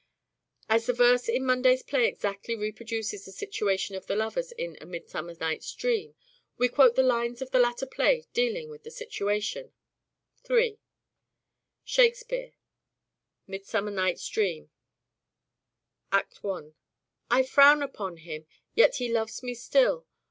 As the verse in Munday's play exactly reproduces the situation of the lovers in " A Midsummer Night's Dream," we quote the lines of the latter play dealing with the situation: 3. Shakespeare, "M.N.D." I. i (Dialogue): " I frown upon him, yet he loves me still.